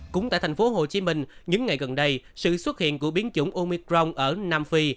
cũng tại tp hcm những ngày gần đây sự xuất hiện của biến chủng omicron ở nam phi